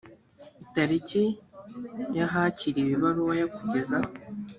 tariki ya hakiriwe ibaruwa ya kugeza